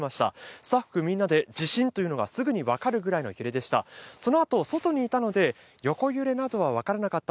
スタッフみんなで地震というのがすぐに分かるくらいの揺れでした。